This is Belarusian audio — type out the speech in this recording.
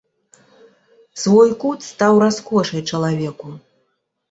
Свой кут стаў раскошай чалавеку.